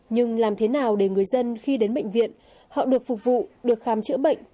nhưng làm thế nào để người dân khi đến bệnh viện họ được phục vụ được khám chữa bệnh